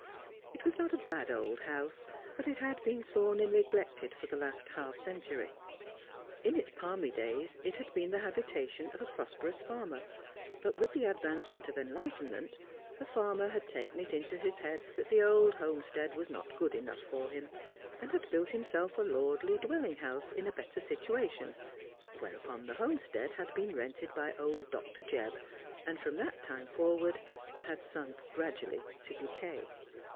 It was not a bad old house, but it had been sorely neglected for the last half century. In its palmy days it had been the habitation of a prosperous farmer ; but with the advance of enlightenment the farmer had taken it into his head that the old Homestead was not good enough for him, and had built himself a lordly dwelling house in a better situation, whereupon the Homestead had been rented by old Dr. Jebb, and from that time forward had sunk gradually to decay.